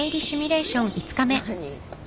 何？